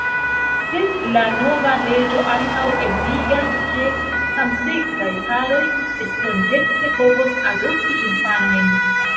Sed la nova leĝo ankaŭ ebligas, ke samseksaj paroj estontece povos adopti infanojn.